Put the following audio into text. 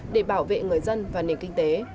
để bảo vệ người dân và nền kinh tế